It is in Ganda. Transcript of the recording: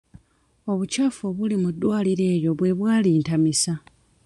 Obukyafu obuli mu ddwaliro eryo bwe bwa lintamisa.